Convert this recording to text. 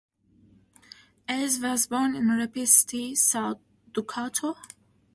Ellis was born in Rapid City, South Dakota.